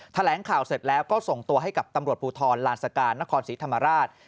แถลงข่าวเสร็จแล้วก็ส่งตัวให้กับตำรวจภูทรลานสการนครศรีธรรมราช